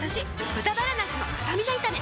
「豚バラなすのスタミナ炒め」